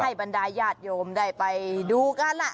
บรรดายญาติโยมได้ไปดูกันล่ะ